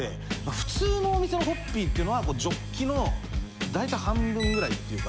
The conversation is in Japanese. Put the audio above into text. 普通のお店のホッピーっていうのはジョッキの大体半分ぐらいっていうか。